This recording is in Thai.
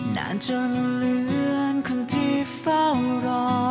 นานจนเหลือคนที่เฝ้ารอ